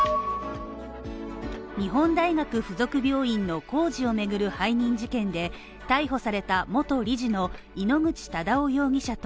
日本大学附属病院の工事を巡る背任事件で逮捕された元理事の井ノ口忠男容疑者と、